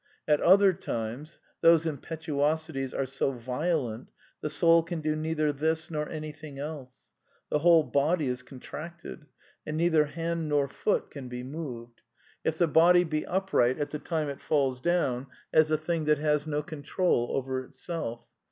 At other times these impetuosities are so vio lent, the soul can do neither this nor anything else; the whole body is contracted, and neither hand nor foot can be THE NEW MYSTICISM 253 moved : If the body be upright at the time it falls down, as a thing that has no control over itself.